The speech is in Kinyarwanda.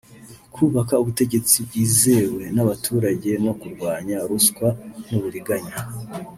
kubaka ubutegetsi bwizewe n’abaturage no kurwanya ruswa n’uburiganya